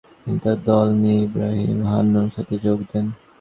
তিনি তার দল নিয়ে ইবরাহিম হানানুর সাথে যোগ দেন।